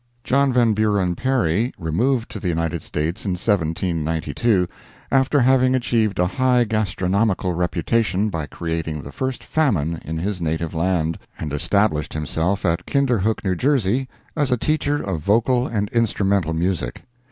John Van Buren Perry removed to the United States in 1792—after having achieved a high gastronomical reputation by creating the first famine in his native land—and established himself at Kinderhook, New Jersey, as a teacher of vocal and instrumental music.